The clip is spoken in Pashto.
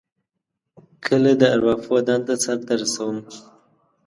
کله د ارواپوه دنده سرته رسوم.